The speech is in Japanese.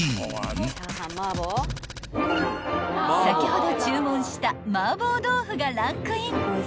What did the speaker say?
［先ほど注文した麻婆豆腐がランクイン］